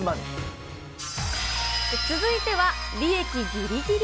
続いては、利益ぎりぎり？